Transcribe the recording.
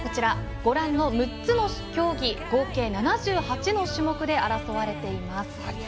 ご覧の６つの競技合計７８の種目で争われています。